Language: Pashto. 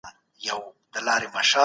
د کتاب پاڼې په احتياط سره واړوئ.